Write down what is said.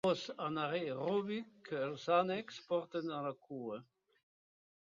Cos anaeròbic que els ànecs porten a la cua.